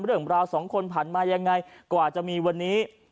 เรื่องราวสองคนผ่านมายังไงกว่าจะมีวันนี้